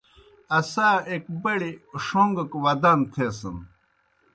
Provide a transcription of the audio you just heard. اسا ایک بڑیْ ݜوݩگَک ودان تھیسَن۔